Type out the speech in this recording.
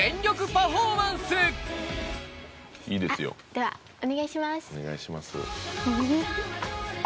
ではお願いします。